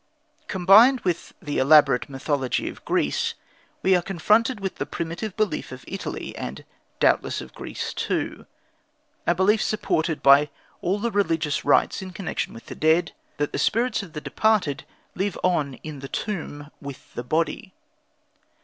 Combined with the elaborate mythology of Greece, we are confronted with the primitive belief of Italy, and doubtless of Greece too a belief supported by all the religious rites in connection with the dead that the spirits of the departed lived on in the tomb with the body.